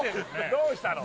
どうしたの？